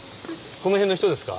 この辺の人ですか？